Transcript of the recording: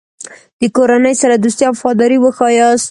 د کورنۍ سره دوستي او وفاداري وښیاست.